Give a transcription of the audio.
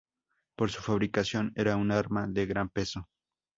Por su fabricación, era un arma de gran peso.